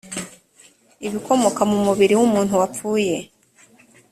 ibikomoka mu mubiri w’umuntu wapfuye